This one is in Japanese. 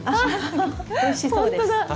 ふふふおいしそうです。